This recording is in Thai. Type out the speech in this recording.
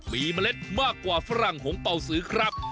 มีเมล็ดมากกว่าฝรั่งหงเป่าสือครับ